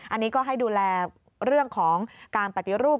อันนี้ก็ให้ดูแลเรื่องของการปฏิรูป